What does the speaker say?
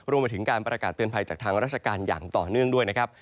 รวมไปถึงการประกาศเตือนภัยจากทางราชการอย่างต่อเนื่องด้วยนะครับ